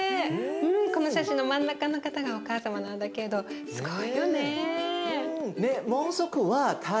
この写真の真ん中の方がお母様なんだけどすごいよね。